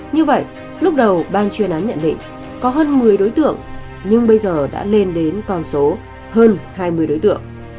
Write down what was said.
như vậy lúc đầu ban chuyên án nhận định có hơn một mươi đối tượng nhưng bây giờ đã lên đến con số hơn hai mươi đối tượng